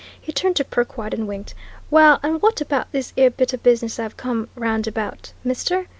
He turned to Perkwite and winked. "Well, an' wot abaht this 'ere bit o' business as I've come rahnd abaht, Mister?"